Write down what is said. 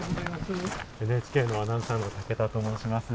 ＮＨＫのアナウンサーの武田と申します。